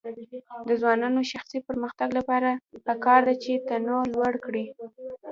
د ځوانانو د شخصي پرمختګ لپاره پکار ده چې تنوع لوړ کړي.